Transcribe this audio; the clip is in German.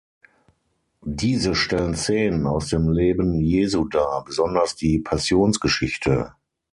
Diese stellen Szenen aus dem Leben Jesu dar, besonders die Passionsgeschichte.